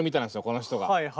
この人が。